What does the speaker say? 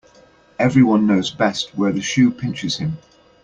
Every one knows best where the shoe pinches him.